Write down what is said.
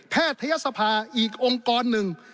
แพทยศภาอีกองค์กรหนึ่ง